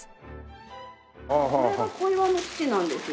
これが小岩の土なんですよ。